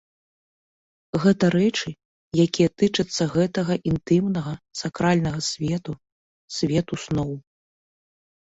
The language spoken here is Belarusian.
Гэта рэчы, якія тычацца гэтага інтымнага, сакральнага свету, свету сноў.